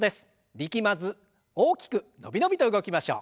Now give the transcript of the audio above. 力まず大きく伸び伸びと動きましょう。